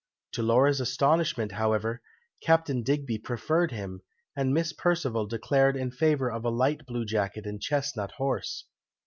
To Laura's astonishment, however, Captain Digby preferred him, and Miss Perceval declared in favour of a light blue jacket and chesnut horse.